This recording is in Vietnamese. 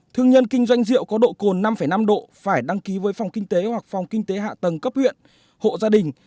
thương nhân kinh doanh rượu có độ cồn năm năm độ phải đăng ký với phòng kinh tế hoặc phòng kinh tế hạ tầng cấp huyện hộ gia đình